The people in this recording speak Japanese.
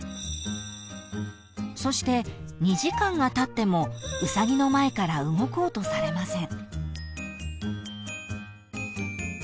［そして２時間がたってもウサギの前から動こうとされません］